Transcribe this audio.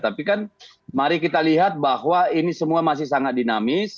tapi kan mari kita lihat bahwa ini semua masih sangat dinamis